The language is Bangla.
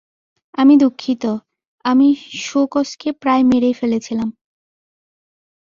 আমি দুঃখিত, আমি সোকসকে প্রায় মেরেই ফেলেছিলাম।